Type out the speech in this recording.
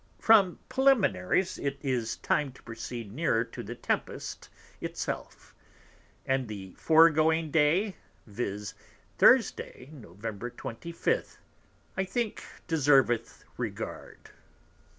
From Preliminaries it is time to proceed nearer to the Tempest it self. And the foregoing Day, viz. Thursday, Nov. 25. I think deserveth regard.